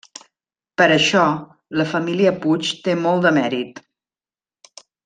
Per això, la família Puig té molt de mèrit.